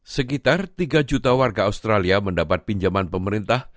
sekitar tiga juta warga australia mendapat pinjaman pemerintah